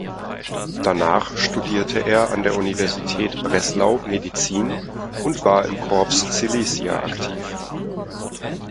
Danach studierte er an der Universität Breslau Medizin und war im Corps Silesia aktiv.